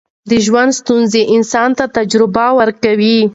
د ژوند ستونزې انسان ته تجربه ورکوي.